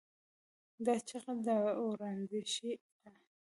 دا چیغه د دوراندیشۍ ده.